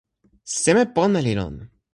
seme pona li lon?